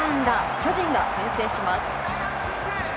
巨人が先制します。